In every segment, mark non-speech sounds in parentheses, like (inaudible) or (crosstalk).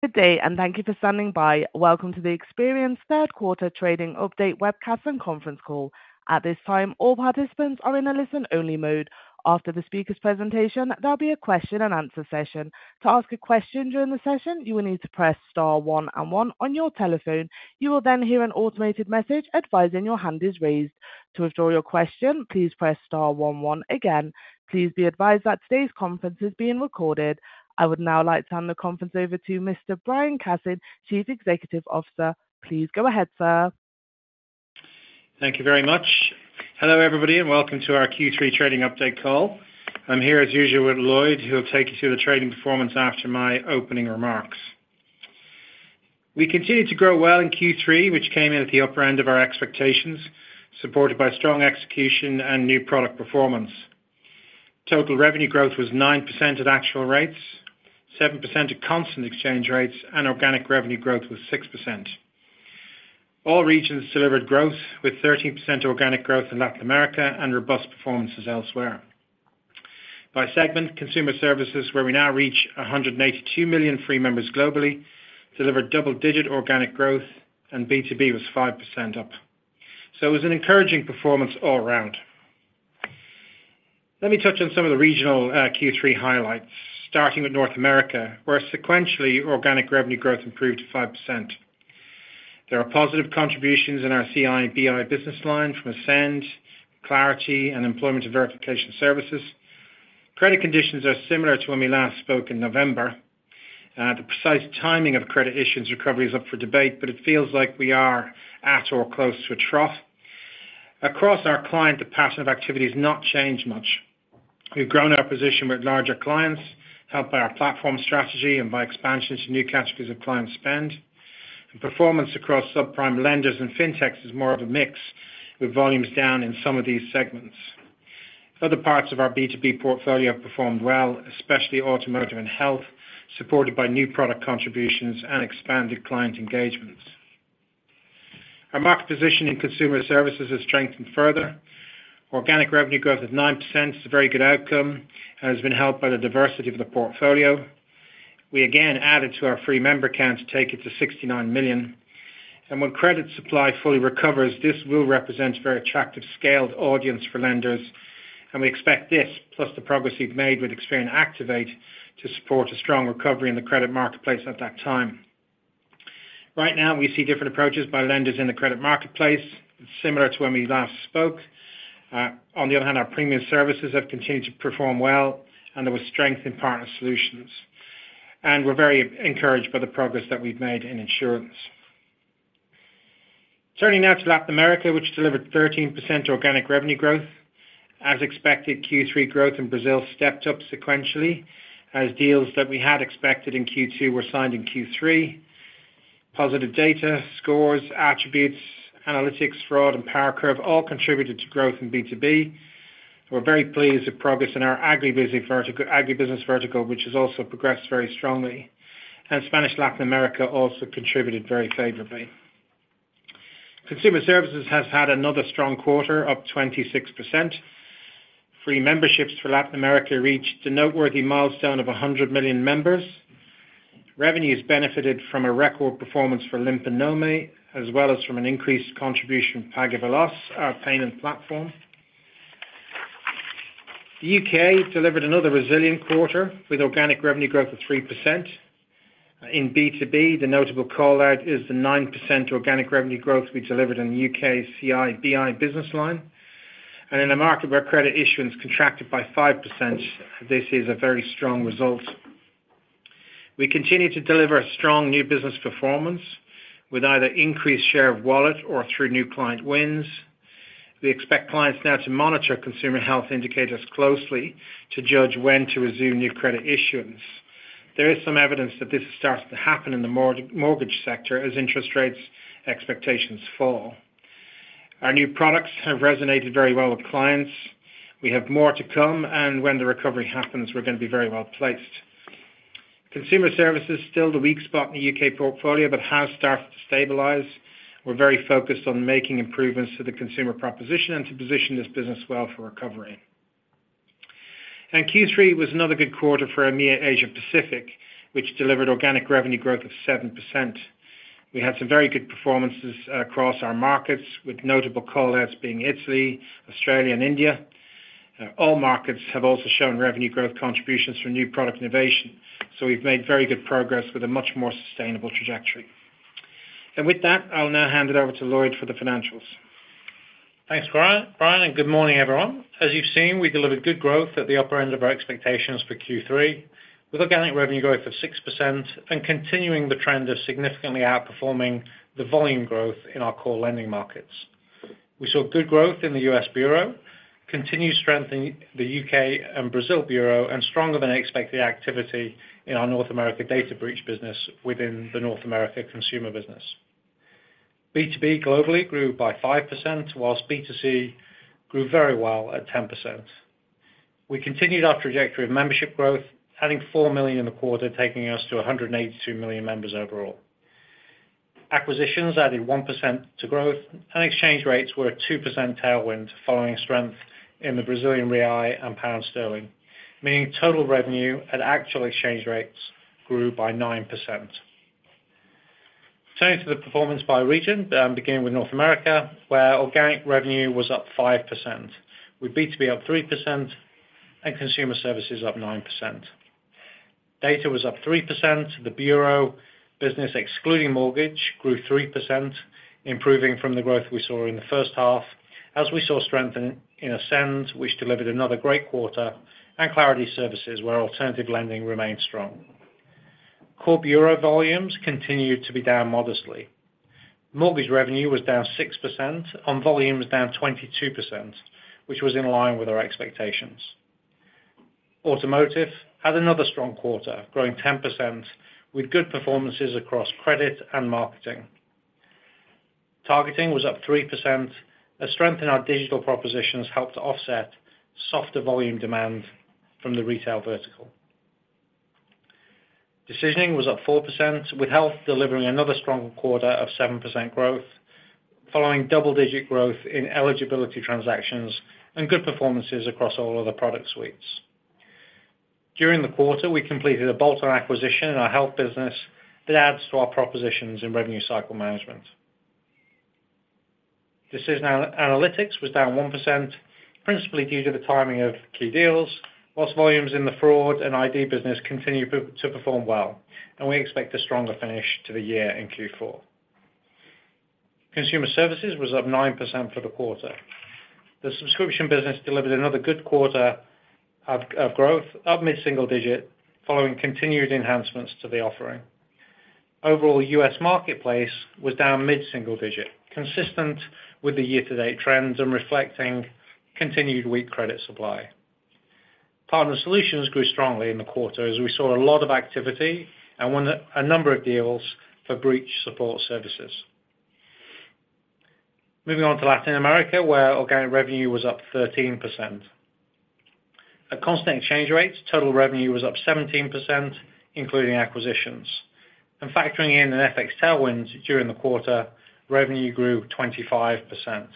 Good day, and thank you for standing by. Welcome to the Experian's third quarter trading update webcast and conference call. At this time, all participants are in a listen-only mode. After the speaker's presentation, there'll be a question-and-answer session. To ask a question during the session, you will need to press star one and one on your telephone. You will then hear an automated message advising your hand is raised. To withdraw your question, please press star one one again. Please be advised that today's conference is being recorded. I would now like to hand the conference over to Mr. Brian Cassin, Chief Executive Officer. Please go ahead, sir. Thank you very much. Hello, everybody, and welcome to our Q3 trading update call. I'm here, as usual, with Lloyd, who will take you through the trading performance after my opening remarks. We continued to grow well in Q3, which came in at the upper end of our expectations, supported by strong execution and new product performance. Total revenue growth was 9% at actual rates, 7% at constant exchange rates, and organic revenue growth was 6%. All regions delivered growth, with 13% organic growth in Latin America and robust performances elsewhere. By segment, Consumer Services, where we now reach 182 million free members globally, delivered double-digit organic growth, and B2B was 5% up. So it was an encouraging performance all around. Let me touch on some of the regional Q3 highlights, starting with North America, where sequentially, organic revenue growth improved to 5%. There are positive contributions in our CI/BI business line from Ascend, Clarity, and Employment Verification Services. Credit conditions are similar to when we last spoke in November. The precise timing of credit issuance recovery is up for debate, but it feels like we are at or close to a trough. Across our client, the pattern of activity has not changed much. We've grown our position with larger clients, helped by our platform strategy and by expansions to new categories of client spend. And performance across subprime lenders and Fintechs is more of a mix, with volumes down in some of these segments. Other parts of our B2B portfolio have performed well, especially Automotive and Health, supported by new product contributions and expanded client engagements. Our market position in Consumer Services has strengthened further. Organic revenue growth of 9% is a very good outcome and has been helped by the diversity of the portfolio. We again added to our free member count to take it to 69 million, and when credit supply fully recovers, this will represent a very attractive scaled audience for lenders, and we expect this, plus the progress we've made with Experian Activate, to support a strong recovery in the credit marketplace at that time. Right now, we see different approaches by lenders in the credit marketplace, similar to when we last spoke. On the other hand, our premium services have continued to perform well, and there was strength in Partner Solutions. We're very encouraged by the progress that we've made in insurance. Turning now to Latin America, which delivered 13% organic revenue growth. As expected, Q3 growth in Brazil stepped up sequentially as deals that we had expected in Q2 were signed in Q3. Positive data, scores, attributes, analytics, fraud, and PowerCurve all contributed to growth in B2B. We're very pleased with progress in our agribusiness vertical, which has also progressed very strongly. Spanish Latin America also contributed very favorably. Consumer Services has had another strong quarter, up 26%. Free memberships for Latin America reached a noteworthy milestone of 100 million members. Revenue has benefited from a record performance for Limpa Nome, as well as from an increased contribution from PagVeloz, our payment platform. The U.K. delivered another resilient quarter with organic revenue growth of 3%. In B2B, the notable call-out is the 9% organic revenue growth we delivered in the U.K. CI/BI business line. In a market where credit issuance contracted by 5%, this is a very strong result. We continue to deliver a strong new business performance with either increased share of wallet or through new client wins. We expect clients now to monitor consumer health indicators closely to judge when to resume new credit issuance. There is some evidence that this is starting to happen in the mortgage sector as interest rates expectations fall. Our new products have resonated very well with clients. We have more to come, and when the recovery happens, we're going to be very well placed. Consumer Services is still the weak spot in the U.K. portfolio but has started to stabilize. We're very focused on making improvements to the consumer proposition and to position this business well for recovery. Q3 was another good quarter for EMEA Asia Pacific, which delivered organic revenue growth of 7%. We had some very good performances across our markets, with notable call-outs being Italy, Australia, and India. All markets have also shown revenue growth contributions from new product innovation, so we've made very good progress with a much more sustainable trajectory. And with that, I'll now hand it over to Lloyd for the financials. Thanks, Brian. Brian, and good morning, everyone. As you've seen, we delivered good growth at the upper end of our expectations for Q3, with organic revenue growth of 6% and continuing the trend of significantly outperforming the volume growth in our core lending markets. We saw good growth in the U.S. Bureau, continued strength in the U.K. and Brazil Bureau, and stronger-than-expected activity in our North America data breach business within the North America Consumer business. B2B globally grew by 5%, while B2C grew very well at 10%. We continued our trajectory of membership growth, adding 4 million in the quarter, taking us to 182 million members overall. Acquisitions added 1% to growth, and exchange rates were a 2% tailwind following strength in the Brazilian real and pound sterling, meaning total revenue at actual exchange rates grew by 9%. Turning to the performance by region, beginning with North America, where organic revenue was up 5%, with B2B up 3% and Consumer Services up 9%. Data was up 3%. The bureau business, excluding mortgage, grew 3%, improving from the growth we saw in the first half, as we saw strength in Ascend, which delivered another great quarter, and Clarity Services, where alternative lending remained strong. Core bureau volumes continued to be down modestly. Mortgage revenue was down 6% on volumes down 22%, which was in line with our expectations. Automotive had another strong quarter, growing 10%, with good performances across credit and marketing. Targeting was up 3%, as strength in our digital propositions helped to offset softer volume demand from the retail vertical. Decisioning was up 4%, with health delivering another strong quarter of 7% growth, following double-digit growth in eligibility transactions and good performances across all other product suites. During the quarter, we completed a bolt-on acquisition in our health business that adds to our propositions in revenue cycle management. Decision Analytics was down 1%, principally due to the timing of key deals, while volumes in the Fraud and ID business continued to perform well, and we expect a stronger finish to the year in Q4. Consumer Services was up 9% for the quarter. The subscription business delivered another good quarter of growth, up mid-single digit, following continued enhancements to the offering. Overall, U.S. marketplace was down mid-single digit, consistent with the year-to-date trends and reflecting continued weak credit supply. Partner Solutions grew strongly in the quarter as we saw a lot of activity and won a number of deals for breach support services. Moving on to Latin America, where organic revenue was up 13%. At constant exchange rates, total revenue was up 17%, including acquisitions. And factoring in an FX tailwind during the quarter, revenue grew 25%.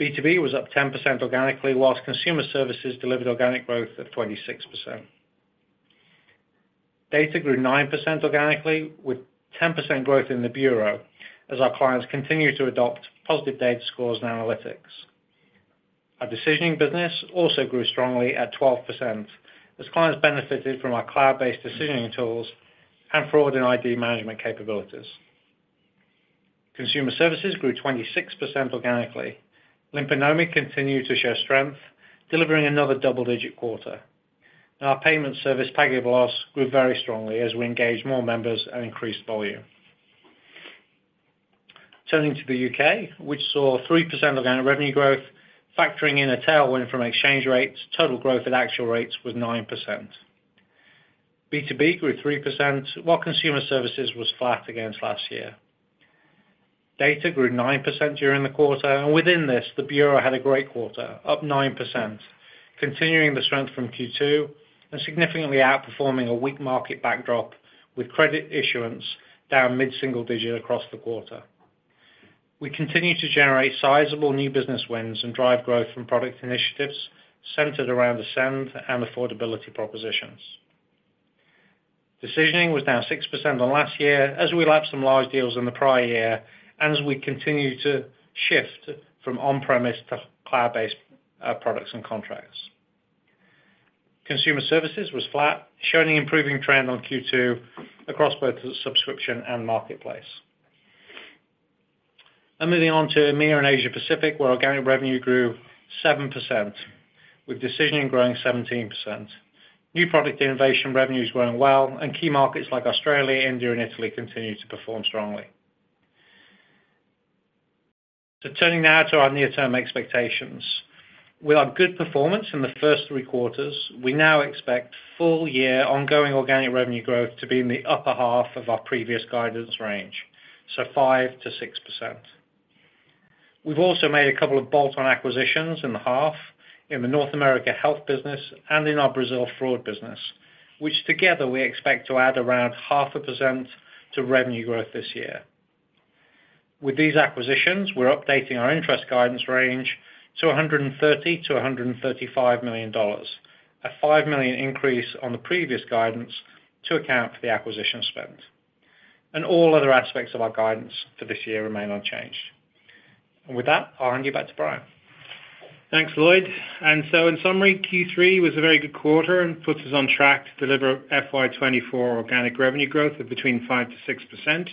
B2B was up 10% organically, while Consumer Services delivered organic growth of 26%. Data grew 9% organically, with 10% growth in the bureau, as our clients continued to adopt positive data scores and analytics. Our decisioning business also grew strongly at 12%, as clients benefited from our cloud-based decisioning tools and Fraud and ID management capabilities. Consumer Services grew 26% organically. Nome continued to show strength, delivering another double-digit quarter. Our payment service, PagVeloz, grew very strongly as we engaged more members and increased volume. Turning to the U.K., which saw 3% organic revenue growth. Factoring in a tailwind from exchange rates, total growth at actual rates was 9%. B2B grew 3%, while Consumer Services was flat against last year. Data grew 9% during the quarter, and within this, the bureau had a great quarter, up 9%, continuing the strength from Q2 and significantly outperforming a weak market backdrop, with credit issuance down mid-single digit across the quarter. We continue to generate sizable new business wins and drive growth from product initiatives centered around Ascend and affordability propositions. Decisioning was down 6% on last year, as we lapped some large deals in the prior year and as we continued to shift from on-premise to cloud-based products and contracts. Consumer Services was flat, showing an improving trend on Q2 across both the subscription and marketplace. And moving on to EMEA and Asia Pacific, where organic revenue grew 7%, with decisioning growing 17%. New product innovation revenue is growing well, and key markets like Australia, India, and Italy continue to perform strongly. So turning now to our near-term expectations. With our good performance in the first three quarters, we now expect full-year ongoing organic revenue growth to be in the upper half of our previous guidance range, so 5%-6%. We've also made a couple of bolt-on acquisitions in the half, in the North America health business and in our Brazil fraud business, which together we expect to add around 0.5% to revenue growth this year. With these acquisitions, we're updating our interest guidance range to $130 million-$135 million, a $5 million increase on the previous guidance to account for the acquisition spend. All other aspects of our guidance for this year remain unchanged. With that, I'll hand you back to Brian. Thanks, Lloyd. So in summary, Q3 was a very good quarter and puts us on track to deliver FY 2024 organic revenue growth of between 5%-6%.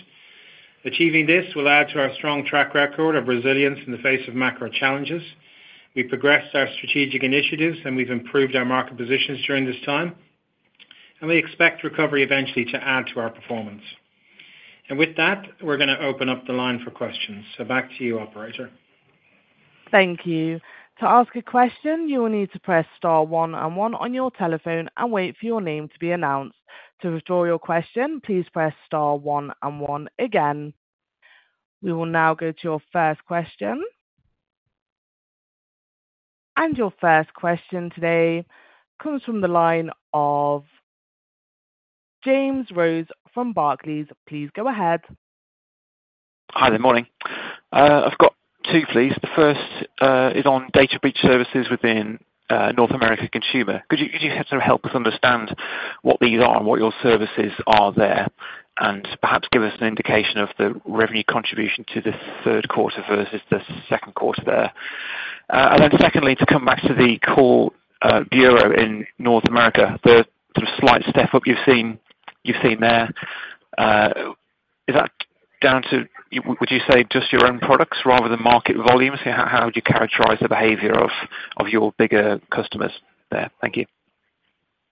Achieving this will add to our strong track record of resilience in the face of macro challenges. We progressed our strategic initiatives, and we've improved our market positions during this time, and we expect recovery eventually to add to our performance. With that, we're going to open up the line for questions. So back to you, operator. Thank you. To ask a question, you will need to press star one and one on your telephone and wait for your name to be announced. To restore your question, please press star one and one again. We will now go to our first question. Your first question today comes from the line of James Rose from Barclays. Please go ahead. Hi there, morning. I've got two, please. The first is on data breach services within North America Consumer. Could you sort of help us understand what these are and what your services are there, and perhaps give us an indication of the revenue contribution to the third quarter versus the second quarter there? And then secondly, to come back to the core bureau in North America, the sort of slight step up you've seen there. Is that down to, would you say, just your own products rather than market volumes? How would you characterize the behavior of your bigger customers there? Thank you.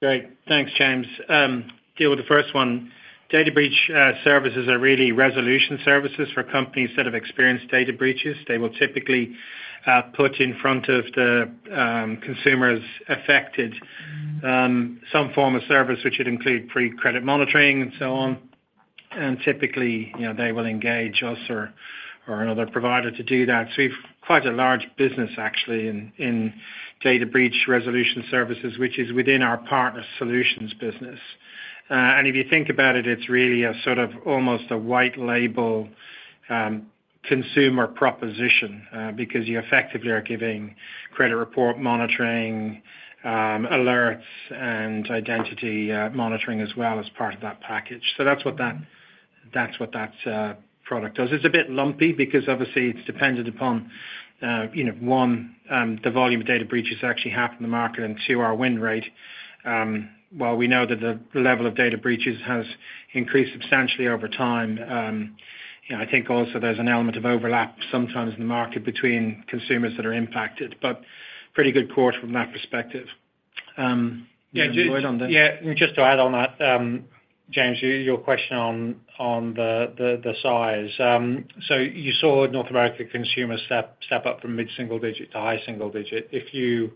Great. Thanks, James. Deal with the first one. Data breach services are really resolution services for companies that have experienced data breaches. They will typically put in front of the consumers affected some form of service, which would include free credit monitoring and so on. Typically, you know, they will engage us or another provider to do that. So we've quite a large business actually in data breach resolution services, which is within our Partner Solutions business. If you think about it, it's really a sort of almost a white label consumer proposition because you effectively are giving credit report monitoring alerts and identity monitoring as well as part of that package. So that's what that product does. It's a bit lumpy because obviously it's dependent upon, you know, one, the volume of data breaches that actually happen in the market, and two, our win rate. While we know that the level of data breaches has increased substantially over time, you know, I think also there's an element of overlap sometimes in the market between consumers that are impacted, but pretty good quarter from that perspective. Yeah, Lloyd on the- Yeah, just to add on that, James, your question on the size. So you saw North America Consumer step up from mid-single digit to high single digit. If you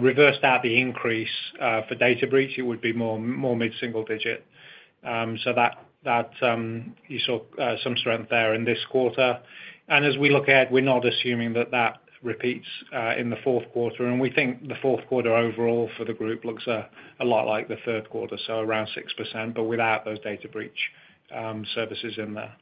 reversed out the increase for data breach, it would be more mid-single digit. So that you saw some strength there in this quarter. And as we look ahead, we're not assuming that that repeats in the fourth quarter, and we think the fourth quarter overall for the group looks a lot like the third quarter, so around 6%, but without those data breach services in there.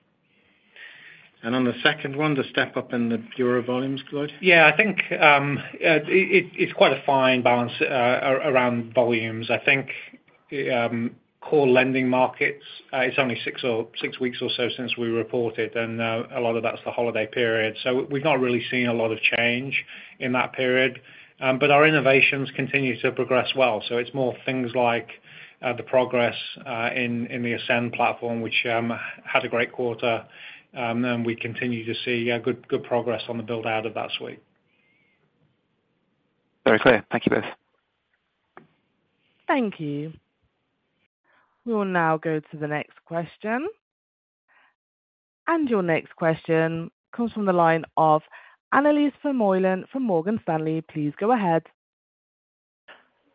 On the second one, the step up in the bureau volumes, Lloyd? Yeah, I think, it, it's quite a fine balance around volumes. I think, core lending markets, it's only six or six weeks or so since we reported, and, a lot of that's the holiday period, so we've not really seen a lot of change in that period. But our innovations continue to progress well. So it's more things like, the progress in, in the Ascend platform, which, had a great quarter. And we continue to see, good, good progress on the build-out of that suite. Very clear. Thank you both. Thank you. We will now go to the next question. Your next question comes from the line of Annelies Vermeulen from Morgan Stanley. Please go ahead.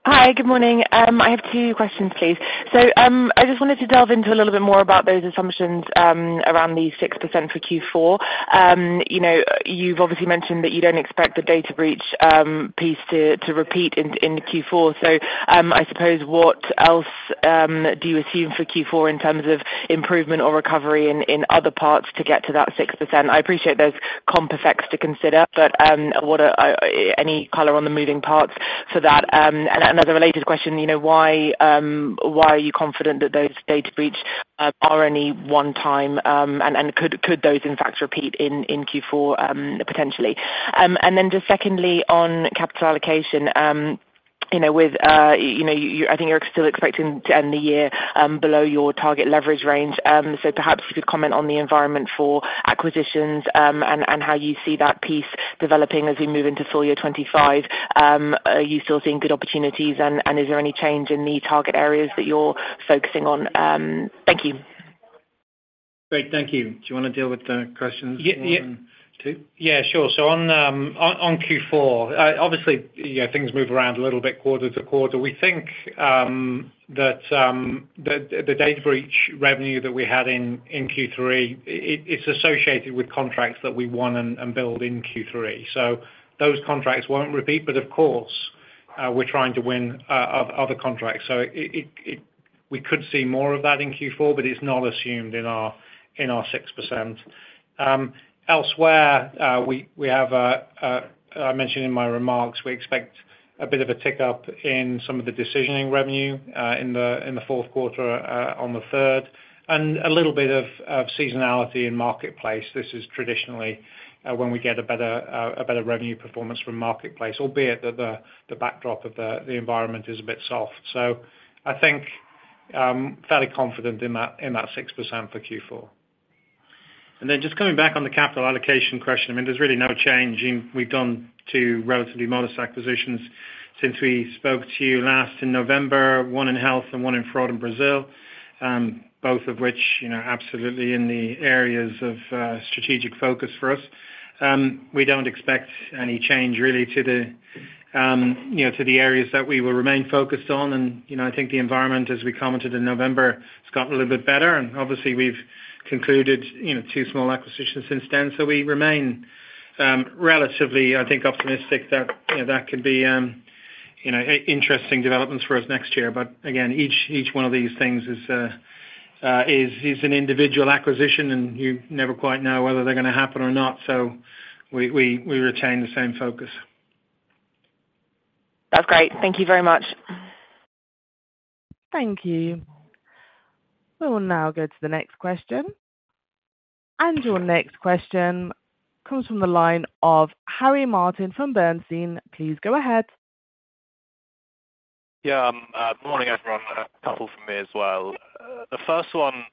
Hi, good morning. I have two questions, please. So, I just wanted to delve into a little bit more about those assumptions around the 6% for Q4. You know, you've obviously mentioned that you don't expect the data breach piece to repeat in Q4. So, I suppose, what else do you assume for Q4 in terms of improvement or recovery in other parts to get to that 6%? I appreciate there's comp effects to consider, but, what are any color on the moving parts for that? And another related question, you know, why are you confident that those data breach are only one time, and could those in fact repeat in Q4, potentially? And then just secondly, on capital allocation, you know, with, you know, you, I think you're still expecting to end the year, below your target leverage range. So perhaps you could comment on the environment for acquisitions, and, and how you see that piece developing as we move into full year 25. Are you still seeing good opportunities and, and is there any change in the target areas that you're focusing on? Thank you. Great, thank you. Do you want to deal with the questions one and two? Yeah, sure. So on Q4, obviously, you know, things move around a little bit quarter to quarter. We think that the data breach revenue that we had in Q3, it's associated with contracts that we won and built in Q3. So those contracts won't repeat, but of course, we're trying to win other contracts. So we could see more of that in Q4, but it's not assumed in our 6%. Elsewhere, we have, I mentioned in my remarks, we expect a bit of a tick up in some of the decisioning revenue in the fourth quarter, on the third, and a little bit of seasonality in Marketplace. This is traditionally when we get a better revenue performance from Marketplace, albeit the backdrop of the environment is a bit soft. So I think fairly confident in that 6% for Q4. Then just coming back on the capital allocation question, I mean, there's really no change. We've done two relatively modest acquisitions since we spoke to you last in November, one in health and one in fraud in Brazil, both of which, you know, are absolutely in the areas of strategic focus for us. We don't expect any change really to the, you know, to the areas that we will remain focused on. And, you know, I think the environment, as we commented in November, has gotten a little bit better, and obviously we've concluded, you know, two small acquisitions since then. So we remain, relatively, I think, optimistic that, you know, that could be interesting developments for us next year. But again, each one of these things is an individual acquisition, and you never quite know whether they're gonna happen or not, so we retain the same focus. That's great. Thank you very much. Thank you. We will now go to the next question. Your next question comes from the line of Harry Martin from Bernstein. Please go ahead. Yeah, good morning, everyone. A couple from me as well. The first one,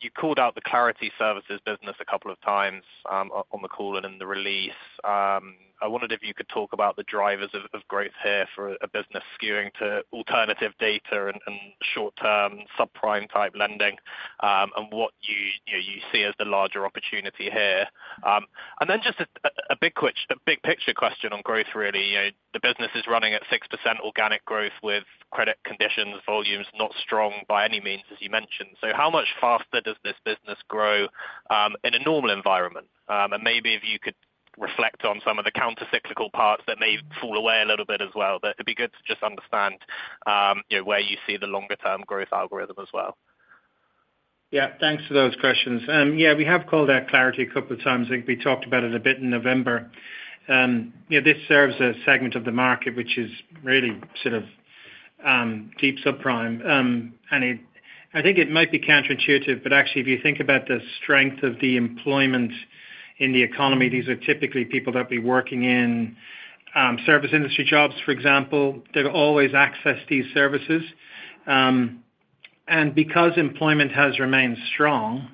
you called out the Clarity Services business a couple of times, on the call and in the release. I wondered if you could talk about the drivers of, of growth here for a business skewing to alternative data and, and short-term subprime-type lending, and what you, you see as the larger opportunity here. And then just a, a big picture question on growth, really. You know, the business is running at 6% organic growth with credit conditions, volumes not strong by any means, as you mentioned. So how much faster does this business grow, in a normal environment? And maybe if you could reflect on some of the countercyclical parts that may fall away a little bit as well. It'd be good to just understand, you know, where you see the longer term growth algorithm as well. Yeah, thanks for those questions. Yeah, we have called out Clarity a couple of times. I think we talked about it a bit in November. You know, this serves a segment of the market which is really sort of deep subprime. And I think it might be counterintuitive, but actually, if you think about the strength of the employment in the economy, these are typically people that'd be working in service industry jobs, for example. They've always accessed these services. And because employment has remained strong,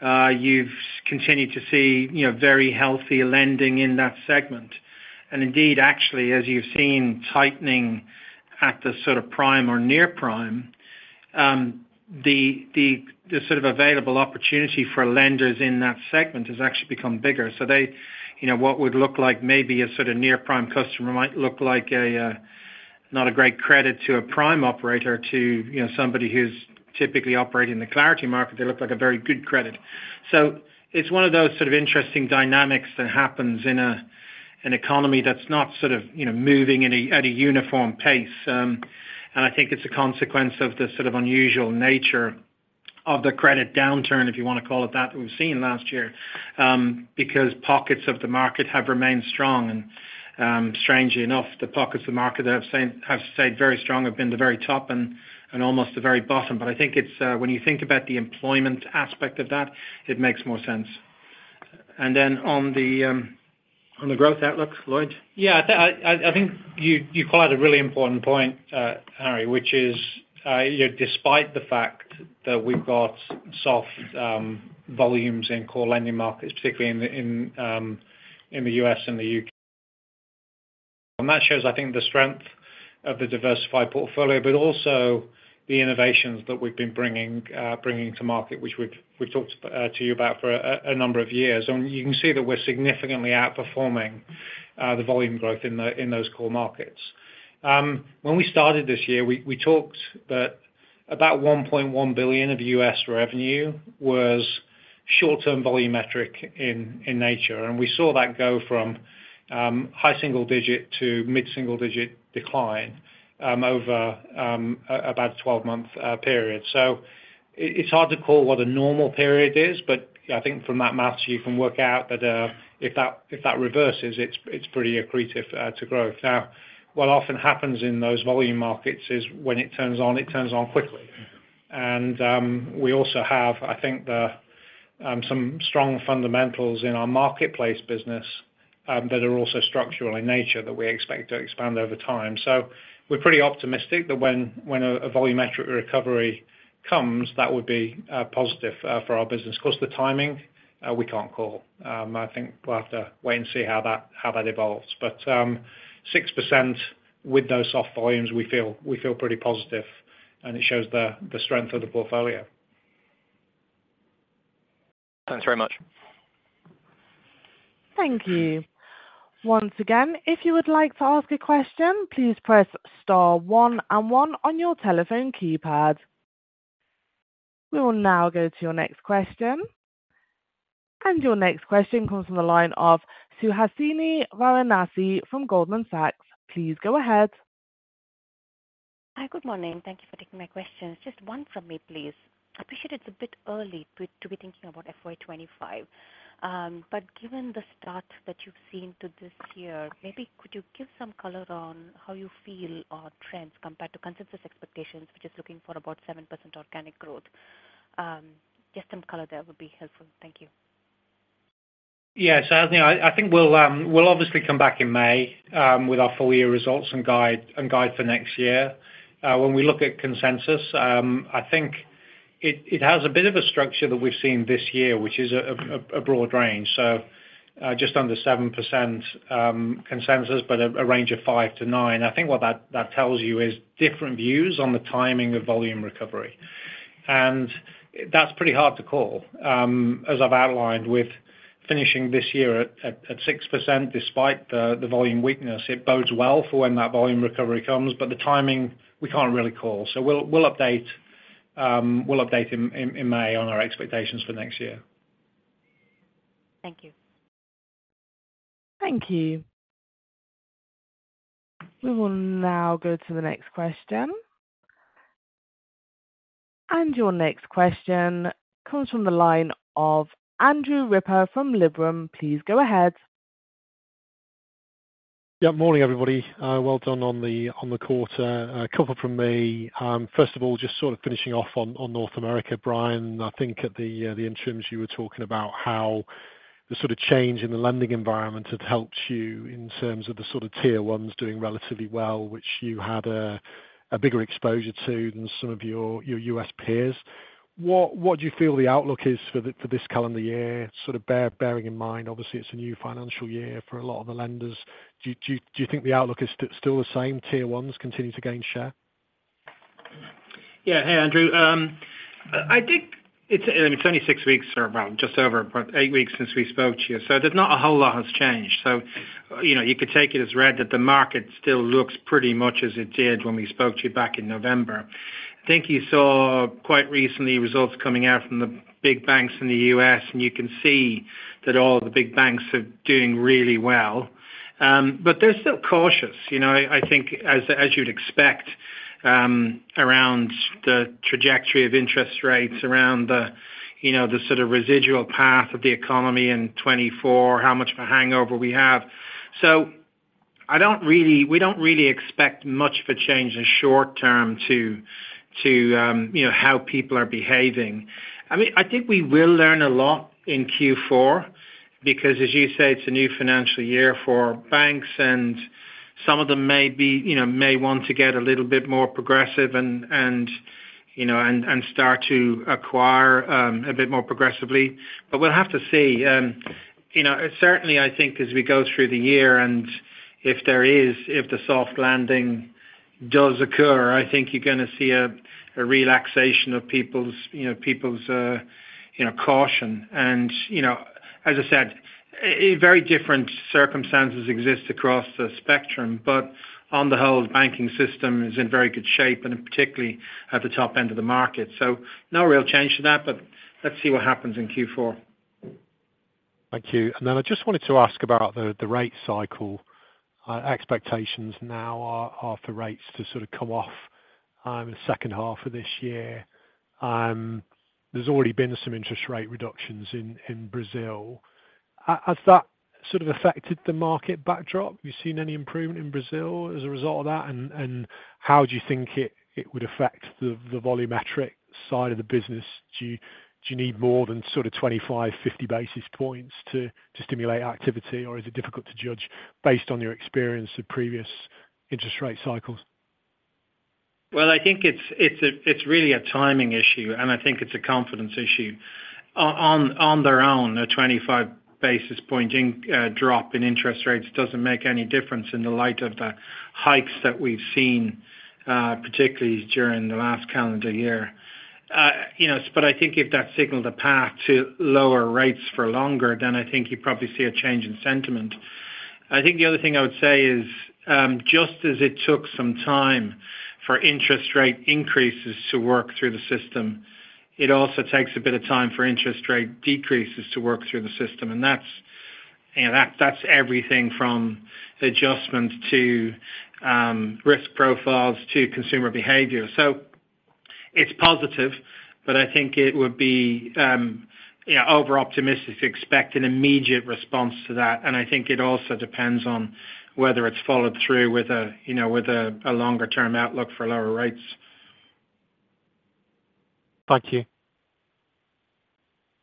you've continued to see, you know, very healthy lending in that segment. And indeed, actually, as you've seen tightening at the sort of prime or near prime, the sort of available opportunity for lenders in that segment has actually become bigger. So they, you know, what would look like maybe a sort of near prime customer might look like a not a great credit to a prime operator, to, you know, somebody who's typically operating in the Clarity market, they look like a very good credit. So it's one of those sort of interesting dynamics that happens in an economy that's not sort of, you know, moving at a uniform pace. And I think it's a consequence of the sort of unusual nature of the credit downturn, if you wanna call it that, that we've seen last year. Because pockets of the market have remained strong, and strangely enough, the pockets of the market that have stayed very strong have been the very top and almost the very bottom. But I think it's when you think about the employment aspect of that, it makes more sense. And then on the growth outlook, Lloyd? Yeah, I think you called out a really important point, Harry, which is, you know, despite the fact that we've got soft volumes in core lending markets, particularly in the U.S. and the U.K. That shows, I think, the strength of the diversified portfolio, but also the innovations that we've been bringing to market, which we've talked to you about for a number of years. You can see that we're significantly outperforming the volume growth in those core markets. When we started this year, we talked about $1.1 billion of U.S. revenue was short-term volumetric in nature, and we saw that go from high single digit to mid-single digit decline over about a 12-month period. So it's hard to call what a normal period is, but I think from that math, you can work out that if that reverses, it's pretty accretive to growth. Now, what often happens in those volume markets is when it turns on, it turns on quickly. And we also have, I think, some strong fundamentals in our marketplace business that are also structural in nature, that we expect to expand over time. So we're pretty optimistic that when a volumetric recovery comes, that would be positive for our business. Of course, the timing we can't call. I think we'll have to wait and see how that evolves. But six percent with those soft volumes, we feel pretty positive, and it shows the strength of the portfolio. Thanks very much. Thank you. Once again, if you would like to ask a question, please press star one and one on your telephone keypad. We will now go to your next question. Your next question comes from the line of Suhasini Varanasi from Goldman Sachs. Please go ahead. Hi. Good morning. Thank you for taking my questions. Just one from me, please. I appreciate it's a bit early to be thinking about FY 2025, but given the start that you've seen to this year, maybe could you give some color on how you feel our trends compared to consensus expectations, which is looking for about 7% organic growth? Just some color there would be helpful. Thank you. Yeah, Suhasini, I think we'll obviously come back in May with our full year results and guide, and guide for next year. When we look at consensus, I think it has a bit of a structure that we've seen this year, which is a broad range. So, just under 7% consensus, but a range of five to nine. I think what that tells you is different views on the timing of volume recovery. And that's pretty hard to call. As I've outlined, with finishing this year at 6%, despite the volume weakness, it bodes well for when that volume recovery comes, but the timing, we can't really call. So we'll update in May on our expectations for next year. Thank you. Thank you. We will now go to the next question. Your next question comes from the line of Andrew Ripper from Liberum. Please go ahead. Yeah, morning, everybody. Well done on the quarter. A couple from me. First of all, just sort of finishing off on North America, Brian, I think at the interims, you were talking about how the sort of change in the lending environment had helped you in terms of the sort of tier ones doing relatively well, which you had a bigger exposure to than some of your U.S. peers. What do you feel the outlook is for this calendar year? Sort of bearing in mind, obviously, it's a new financial year for a lot of the lenders. Do you think the outlook is still the same, tier ones continue to gain share? Yeah. Hey, Andrew. I think it's, I mean, it's only six weeks or about just over eight weeks since we spoke to you, so there's not a whole lot has changed. So, you know, you could take it as read that the market still looks pretty much as it did when we spoke to you back in November. I think you saw quite recently results coming out from the big banks in the U.S., and you can see that all the big banks are doing really well. But they're still cautious. You know, I think as you'd expect, around the trajectory of interest rates, around the, you know, the sort of residual path of the economy in 2024, how much of a hangover we have. So we don't really expect much of a change in short term to you know how people are behaving. I mean, I think we will learn a lot in Q4, because as you say, it's a new financial year for banks, and some of them may be you know may want to get a little bit more progressive and you know and start to acquire a bit more progressively. But we'll have to see. You know, certainly I think as we go through the year and if there is if the soft landing does occur, I think you're gonna see a relaxation of people's you know people's you know caution. And, you know, as I said, very different circumstances exist across the spectrum, but on the whole, the banking system is in very good shape, and particularly at the top end of the market. So no real change to that, but let's see what happens in Q4. Thank you. And then I just wanted to ask about the rate cycle. Expectations now are for rates to sort of come off in the second half of this year. There's already been some interest rate reductions in Brazil. Has that sort of affected the market backdrop? Have you seen any improvement in Brazil as a result of that? And how do you think it would affect the volumetric side of the business? Do you need more than sort of 25-50 basis points to stimulate activity, or is it difficult to judge based on your experience of previous interest rate cycles? Well, I think it's really a timing issue, and I think it's a confidence issue. On their own, a 25 basis point drop in interest rates doesn't make any difference in the light of the hikes that we've seen, particularly during the last calendar year. You know, but I think if that signaled a path to lower rates for longer, then I think you'd probably see a change in sentiment. I think the other thing I would say is, just as it took some time for interest rate increases to work through the system, it also takes a bit of time for interest rate decreases to work through the system. And that's, you know, that's everything from adjustment to risk profiles to consumer behavior. So it's positive, but I think it would be, you know, overoptimistic to expect an immediate response to that. And I think it also depends on whether it's followed through with a, you know, longer-term outlook for lower rates. Thank you.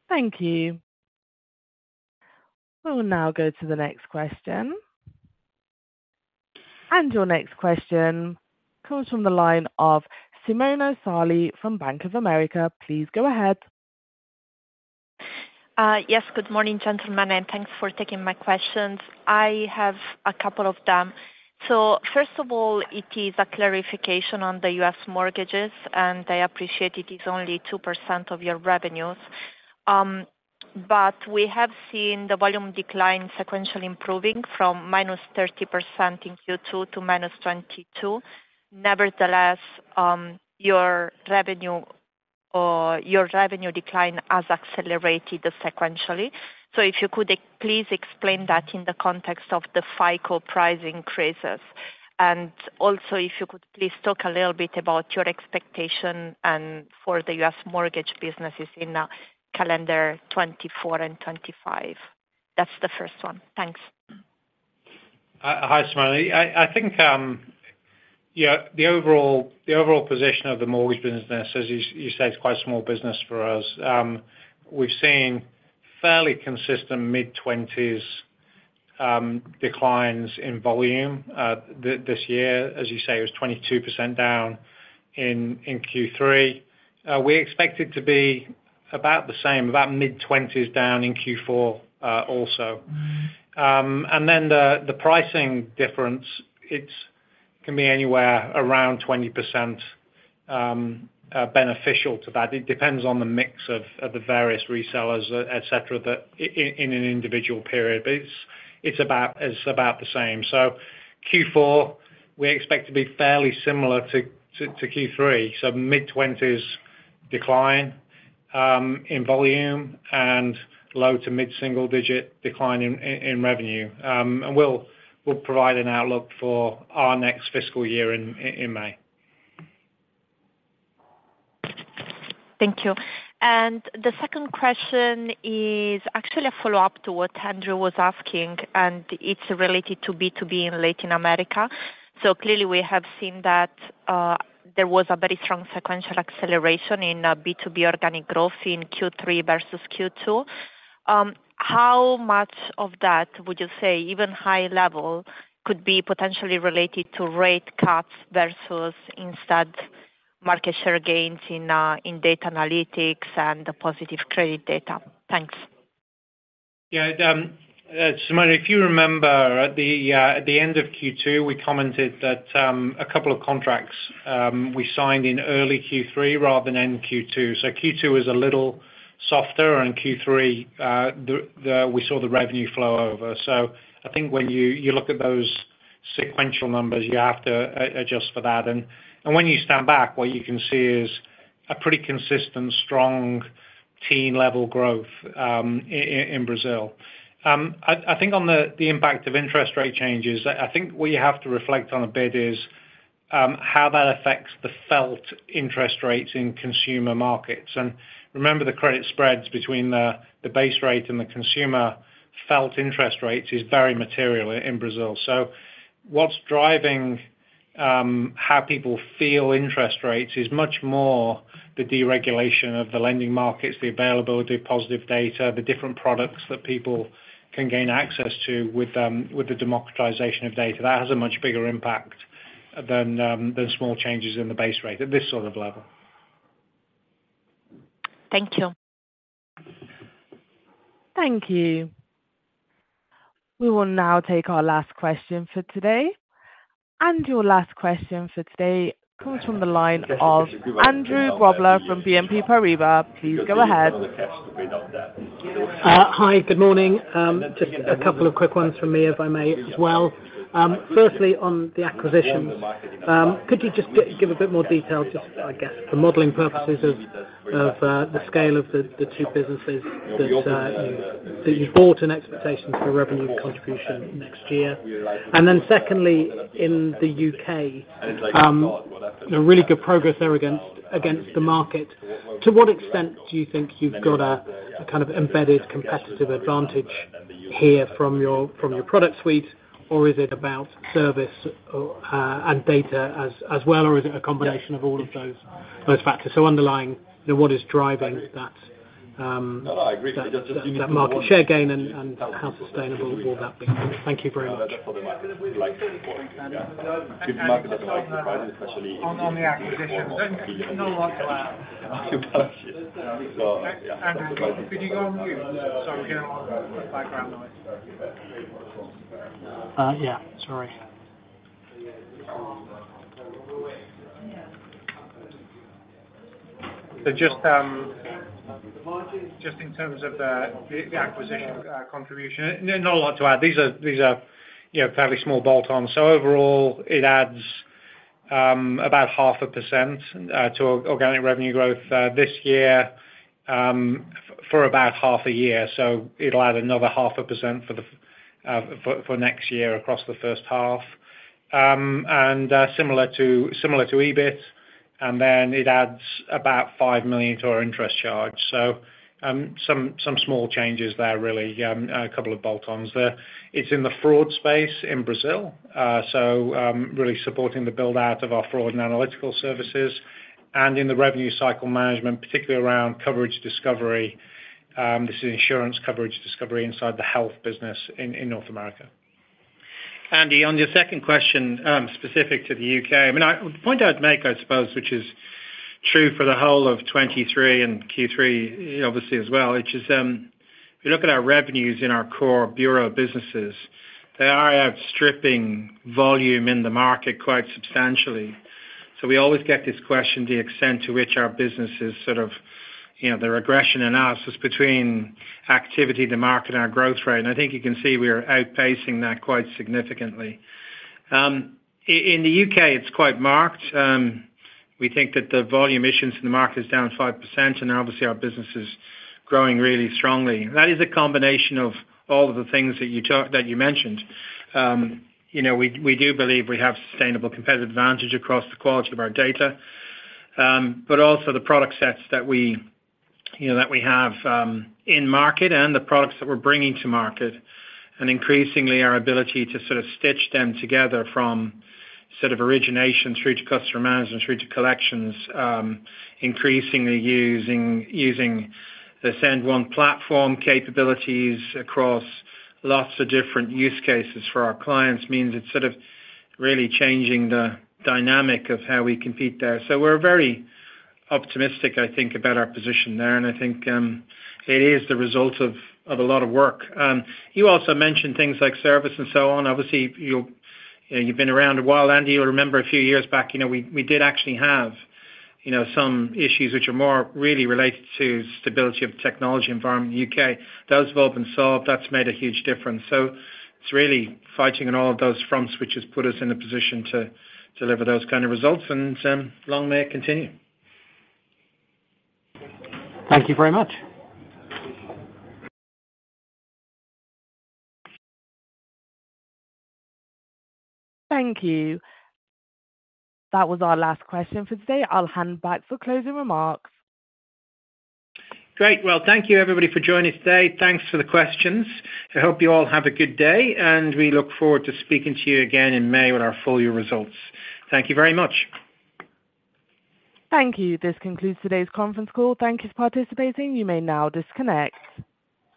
Thank you. We will now go to the next question. Your next question comes from the line of Simona Sarli from Bank of America. Please go ahead. Yes, good morning, gentlemen, and thanks for taking my questions. I have a couple of them. So first of all, it is a clarification on the U.S. mortgages, and I appreciate it is only 2% of your revenues. But we have seen the volume decline sequentially improving from -30% in Q2 to -22%. Nevertheless, your revenue or your revenue decline has accelerated sequentially. So if you could please explain that in the context of the FICO price increases. And also, if you could please talk a little bit about your expectation and for the U.S. mortgage businesses in calendar 2024 and 2025. That's the first one. Thanks. Hi, Simona. I think, yeah, the overall position of the mortgage business, as you say, it's quite a small business for us. We've seen fairly consistent mid-20s declines in volume this year. As you say, it was 22% down in Q3. We expect it to be about the same, about mid-20s down in Q4 also. And then the pricing difference, it can be anywhere around 20% beneficial to that. It depends on the mix of the various resellers, et cetera, that in an individual period, but it's about the same. So Q4, we expect to be fairly similar to Q3, so mid-20s decline in volume and low to mid-single digit decline in revenue. We'll provide an outlook for our next fiscal year in May. Thank you. And the second question is actually a follow-up to what Andrew was asking, and it's related to B2B in Latin America. So clearly, we have seen that there was a very strong sequential acceleration in B2B organic growth in Q3 versus Q2. How much of that would you say, even high level, could be potentially related to rate cuts versus instead market share gains in data analytics and the positive credit data? Thanks. Yeah, Simona, if you remember at the end of Q2, we commented that a couple of contracts we signed in early Q3 rather than in Q2. So Q2 was a little softer, and Q3, we saw the revenue flow over. So I think when you look at those sequential numbers, you have to adjust for that. And when you stand back, what you can see is a pretty consistent, strong teen-level growth in Brazil. I think on the impact of interest rate changes, I think what you have to reflect on a bit is how that affects the felt interest rates in consumer markets. And remember, the credit spreads between the base rate and the consumer felt interest rates is very material in Brazil. So what's driving how people feel interest rates is much more the deregulation of the lending markets, the availability of positive data, the different products that people can gain access to with the democratization of data. That has a much bigger impact than small changes in the base rate at this sort of level. Thank you. Thank you. We will now take our last question for today. Your last question for today comes from the line of Andrew Grobler from BNP Paribas. Please go ahead. Hi, good morning. Just a couple of quick ones from me, if I may, as well. Firstly, on the acquisitions, could you just give a bit more detail, just, I guess, for modeling purposes of the scale of the two businesses that you bought in expectation for revenue contribution next year? And then secondly, in the U.K., you know, really good progress there against the market. To what extent do you think you've got a kind of embedded competitive advantage here from your product suite, or is it about service and data as well, or is it a combination of all of those factors? So underlying, you know, what is driving that market share gain and how sustainable will that be? Thank you very much. On the acquisitions. (crosstalk) Yeah. Sorry. So just in terms of the acquisition contribution, no, not a lot to add. These are you know fairly small bolt-ons. So overall, it adds about 0.5% to organic revenue growth this year for about half a year. So it'll add another 0.5% for next year across the first half. And similar to EBIT, and then it adds about 5 million to our interest charge. So some small changes there, really. A couple of bolt-ons there. It's in the fraud space in Brazil, so really supporting the build-out of our fraud and analytical services, and in the revenue cycle management, particularly around Coverage Discovery. This is insurance Coverage Discovery inside the health business in North America. Andy, on your second question, specific to the U.K., I mean, the point I'd make, I suppose, which is true for the whole of 2023 and Q3, obviously, as well, which is, if you look at our revenues in our core bureau businesses, they are outstripping volume in the market quite substantially. So we always get this question, the extent to which our business is sort of, you know, the regression analysis between activity, the market, and our growth rate. And I think you can see we are outpacing that quite significantly. In the U.K., it's quite marked. We think that the volume issuance in the market is down 5%, and obviously, our business is growing really strongly. That is a combination of all of the things that you mentioned. You know, we, we do believe we have sustainable competitive advantage across the quality of our data, but also the product sets that we, you know, that we have, in market and the products that we're bringing to market, and increasingly, our ability to sort of stitch them together from sort of origination through to customer management, through to collections, increasingly using, using the Ascend platform capabilities across lots of different use cases for our clients, means it's sort of really changing the dynamic of how we compete there. So we're very optimistic, I think, about our position there, and I think, it is the result of, of a lot of work. You also mentioned things like service and so on. Obviously, you'll, you know, you've been around a while, Andy. You'll remember a few years back, you know, we, we did actually have, you know, some issues which are more really related to stability of the technology environment in the U.K. Those have all been solved. That's made a huge difference. So it's really fighting on all of those fronts, which has put us in a position to deliver those kind of results, and long may it continue. Thank you very much. Thank you. That was our last question for today. I'll hand back for closing remarks. Great. Well, thank you, everybody, for joining us today. Thanks for the questions. I hope you all have a good day, and we look forward to speaking to you again in May with our full year results. Thank you very much. Thank you. This concludes today's conference call. Thank you for participating. You may now disconnect.